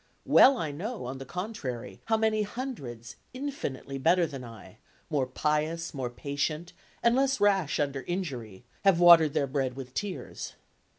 Well I know, on the contrary, how many hundreds, infinitely better than I,—more pious, more patient, and less rash under injury,—have watered their bread with tears!